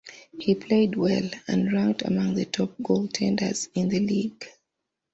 He played well, and ranked among the top goaltenders in the league.